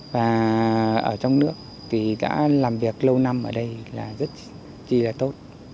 và ở trong nước thì đã làm việc lâu năm ở đây là rất là tốt